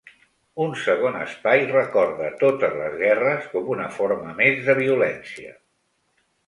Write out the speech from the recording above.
Un segon espai recorda totes les guerres com una forma més de violència.